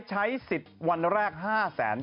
ใช้สิทธิ์วันแรก๕๘๐๐